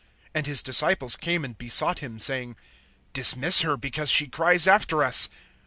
And his disciples came and besought him, saying: Dismiss her; because she cries after us.